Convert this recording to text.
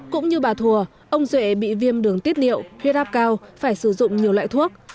cũng như bà thùa ông duệ bị viêm đường tiết liệu huyết áp cao phải sử dụng nhiều loại thuốc